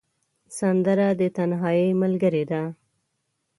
سندره د تنهايي ملګرې ده